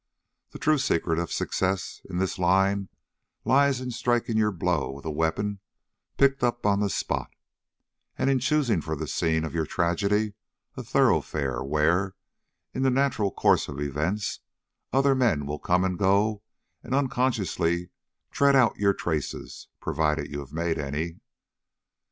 The true secret of success in this line lies in striking your blow with a weapon picked up on the spot, and in choosing for the scene of your tragedy a thoroughfare where, in the natural course of events, other men will come and go and unconsciously tread out your traces, provided you have made any.